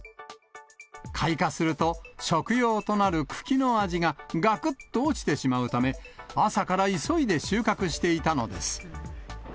開花すると、食用となる茎の味ががくっと落ちてしまうため、朝から急いで収穫していたのです。